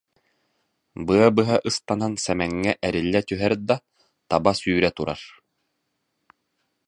Быа быһа ыстанан Сэмэҥҥэ эриллэ түһэр да, таба сүүрэ турар